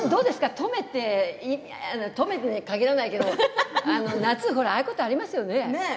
登米って登米に限らないけど夏にああいうことありますよね。